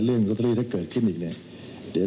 เรื่องลอตเตอรี่ถ้าเกิดขึ้นอีกเนี่ย